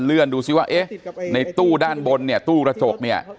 ดูซิว่าเอ๊ะในตู้ด้านบนเนี่ยตู้กระจกเนี่ย